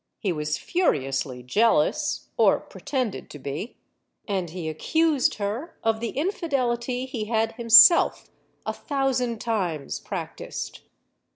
He was furiously jealous or pretended to be. And he accused her of the infidelity he had himself a thousand times practiced.